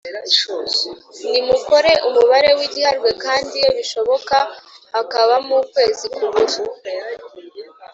Ntimukore umubare w’igiharwe kandi iyo bishoboka hakabamo ukwezi kubura